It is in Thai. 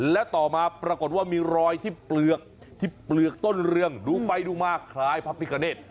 และต่อมาปรากฏว่ามีรอยที่เปลือกที่เปลือกต้นเรืองดูไปดูมาคล้ายพระพิกาเนต